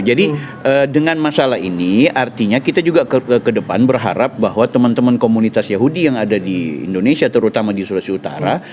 jadi dengan masalah ini artinya kita juga ke depan berharap bahwa teman teman komunitas yahudi yang ada di indonesia terutama di sulawesi utara